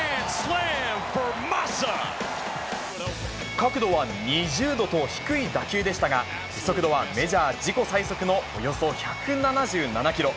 角度は２０度と低い打球でしたが、速度はメジャー自己最速のおよそ１７７キロ。